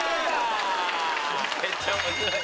めっちゃ面白い！